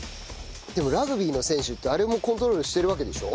でもラグビーの選手ってあれもコントロールしてるわけでしょ？